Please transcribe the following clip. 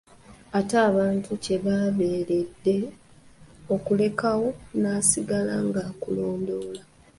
Ate abantu kye babeeredde akulekawo n'asigala ng'akulondoola.